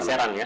di serang ya